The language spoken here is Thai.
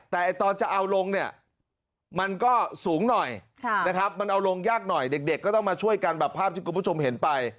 แต่ตอนจะเอาลงเนี่ยมันก็สูงหน่อยนะครับมันเอาลงยากหน่อยเด็กก็ต้องมาช่วยกันแบบภาพที่คุณผู้ชมเห็นไป